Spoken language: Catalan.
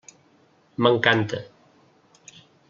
M'encanta.